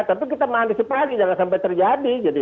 tapi kita mandi sepagi jangan sampai terjadi